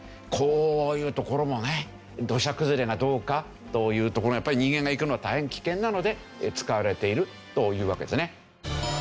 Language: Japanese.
こういう所もね土砂崩れがどうかというところもやっぱり人間が行くのは大変危険なので使われているというわけですね。